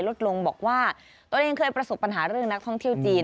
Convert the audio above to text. ลดลงบอกว่าตัวเองเคยประสบปัญหาเรื่องนักท่องเที่ยวจีน